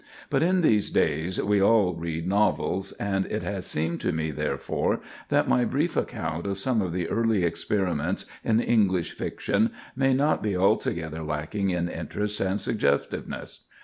But in these days we all read novels; and it has seemed to me, therefore, that my brief account of some of the early experiments in English fiction may not be altogether lacking in interest and suggestiveness.